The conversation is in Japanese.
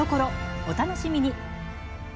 お楽しみに。